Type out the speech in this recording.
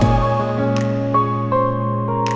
sini kita mulai mencoba